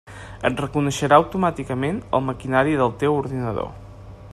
Et reconeixerà automàticament el maquinari del teu ordinador.